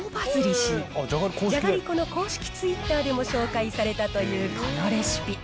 じゃがりこの公式Ｔｗｉｔｔｅｒでも紹介されたというこのレシピ。